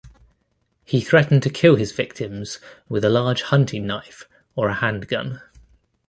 He threatened to kill his victims with a large hunting knife or a handgun.